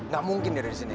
gak mungkin dia ada disini